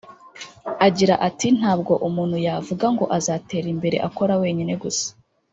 Agira ati “Ntabwo umuntu yavuga ngo azatera imbere akora wenyine gusa